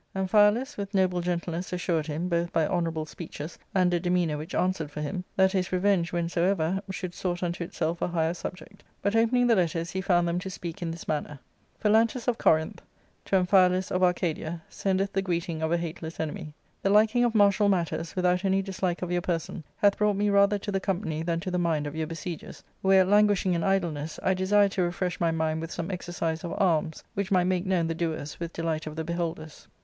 Amphialus with noble gentleness assured him, both by honourable speeches and a demeanour which answered for him, that his revenge, whensoever, should sort unto itself a higher subject But, opening the letters, he found them to speak in this manner :—" Phalantus of Corinth, to Amphialus of Arcadia, sendeth the greeting of a hateless enemy. The liking of martial matters, without any dislike of your person, hath brought me rather to the company than to the mind of your besiegers ; where languishing in idleness, I desire to refresh my mind with some exercise of arms, which might make known the doers with delight of the beholders.